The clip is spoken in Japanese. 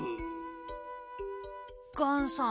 ガンさん。